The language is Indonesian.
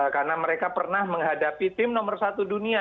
karena mereka pernah menghadapi tim nomor satu dunia